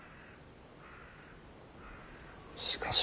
しかし。